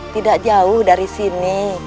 tidak jauh dari sini